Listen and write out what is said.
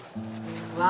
うわ！